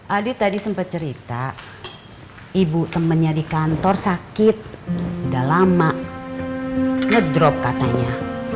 adi tadi sempat cerita ibu temennya di kantor sakit udah lama ngedrop katanya